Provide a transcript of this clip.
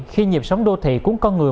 khi nhịp sóng đô thị cuốn con người